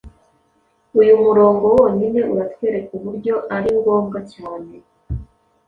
" Uyu murongo wonyine uratwereka uburyo ari ngombwa cyane